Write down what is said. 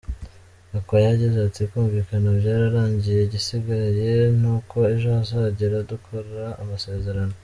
Gakwaya yagize ati "Kumvikana byararangiye, igisigaye ni uko ejo azahagera dukora amasezerano.